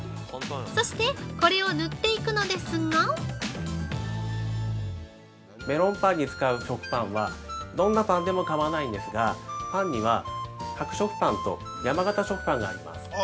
そして、これを塗っていくのですが◆メロンパンに使う食パンは、どんなパンでも構わないんですが、パンには白色パンと山型食パンがあります。